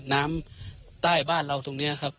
น้ำใต้บ้านเราตรงนี้ครับ